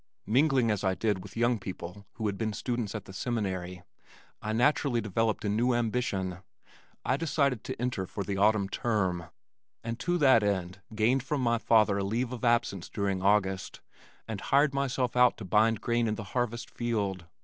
Mingling as I did with young people who had been students at the Seminary, I naturally developed a new ambition. I decided to enter for the autumn term, and to that end gained from my father a leave of absence during August and hired myself out to bind grain in the harvest field.